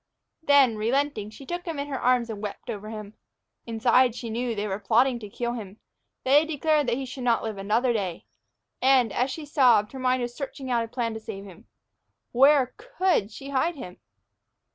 Then, relenting, she took him in her arms and wept over him. Inside, she knew, they were plotting to kill him. They had declared that he should not live another day. And, as she sobbed, her mind was searching out a plan to save him. Where could she hide him?